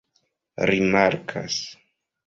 rimarkas